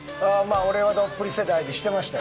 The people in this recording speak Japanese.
俺はどっぷり世代でしてましたよ。